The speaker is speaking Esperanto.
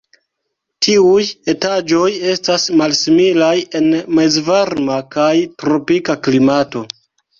Tiuj etaĝoj estas malsimilaj en mezvarma kaj tropika klimato.